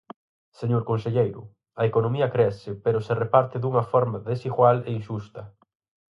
Señor conselleiro, a economía crece pero se reparte dunha forma desigual e inxusta.